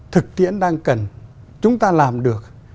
thực tiễn đang cần chúng ta làm được